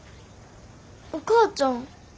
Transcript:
お母ちゃん。